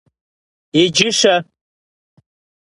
Иджы-щэ?